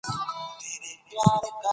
رضا پهلوي د پادشاه مشر زوی و.